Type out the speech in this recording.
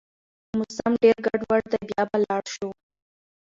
موسم ډېر ګډوډ دی، بيا به لاړ شو